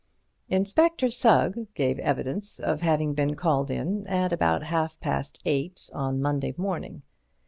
Inspector Sugg gave evidence of having been called in at about half past eight on Monday morning.